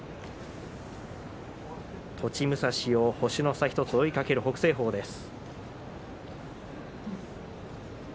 栃武蔵を星の差１つを追いかける北青鵬です。